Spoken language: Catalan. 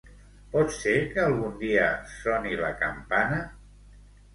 Pot ser que algun dia soni la campana?